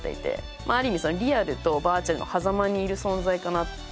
まあある意味リアルとバーチャルのはざまにいる存在かな。